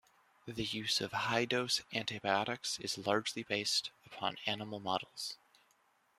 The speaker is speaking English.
The use of high-dose antibiotics is largely based upon animal models.